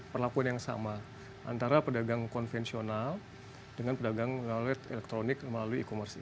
perlakuan yang sama antara pedagang konvensional dengan pedagang melalui elektronik melalui e commerce